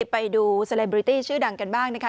ไปดูเซลมบริตี้ชื่อดังกันบ้างนะคะ